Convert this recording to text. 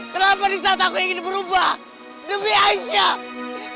kenapa di saat aku ingin berubah demi aisyah